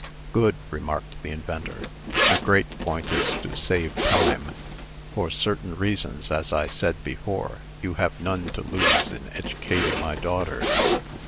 "Good!" remarked the inventor. "The great point is to save time. For certain reasons, as I said before, you have none to lose in educating my daughter.